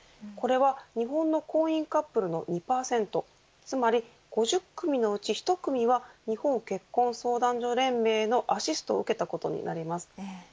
これは日本の婚姻カップルの２％つまり、５０組のうち１組は日本結婚相談所連盟のアシストを受けたことになります。